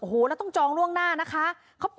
โอ้โหแล้วต้องจองล่วงหน้านะคะ